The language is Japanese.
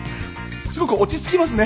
すごく落ち着きますね